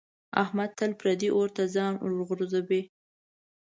احمد تل پردي اور ته ځان ورغورځوي.